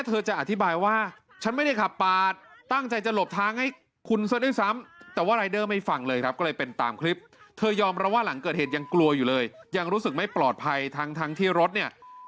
อุบัยที่สุดท้ายน้าไอนะดูความใช้ปลอดภัยทั้งที่รถเนี่ย